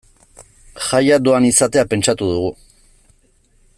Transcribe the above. Jaia doan izatea pentsatu dugu.